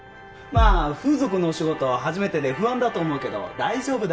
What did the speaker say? まあ風俗のお仕事は初めてで不安だと思うけど大丈夫だよ。